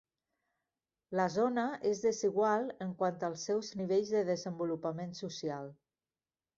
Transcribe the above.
La zona és desigual quant als seus nivells de desenvolupament social.